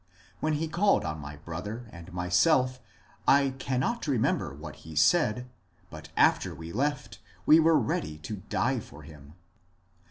When he called on my brother and myself, I can not remember what he said, but after he left we were ready to die for him.